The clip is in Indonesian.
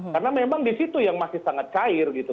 karena memang di situ yang masih sangat cair gitu